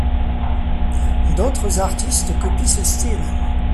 D'autres artistes copient ce style.